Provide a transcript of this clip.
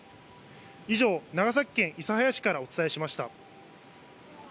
以上、長崎県諫早市からお伝えしました。